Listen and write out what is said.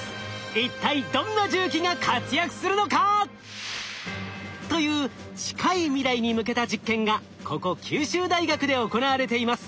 一体どんな重機が活躍するのか！？という近い未来に向けた実験がここ九州大学で行われています。